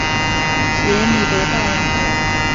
杰里德大盐湖。